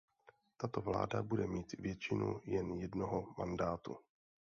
Tato vláda bude mít většinu jen jednoho mandátu.